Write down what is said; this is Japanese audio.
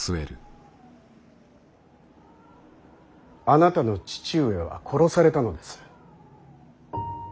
あなたの父上は殺されたのです。